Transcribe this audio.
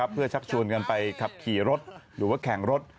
เพื่อชักชวนกันไปขับขี่รถหรือว่าแข่งรถ